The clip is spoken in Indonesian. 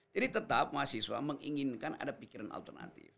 jadi tetap mahasiswa menginginkan ada pikiran alternatif